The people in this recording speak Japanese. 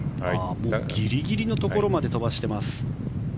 ギリギリのところまで飛ばしています。